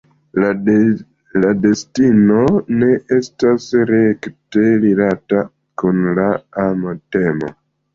La destino ne estas rekte rilata kun la ama temo.